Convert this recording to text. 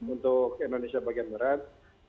untuk indonesia bagian merat